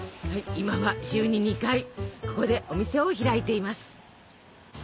今は週に２回ここでお店を開いています。